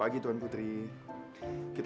enggak mau dipikir pikir